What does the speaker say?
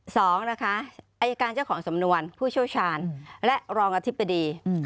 สองนะคะอายการเจ้าของสำนวนผู้เชี่ยวชาญและรองอธิบดี